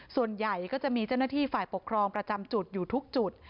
ส่วนใหญ่ก็จะมีเจ้าหน้าที่ฝ่ายปกครองประจำจุดอยู่ทุกจุด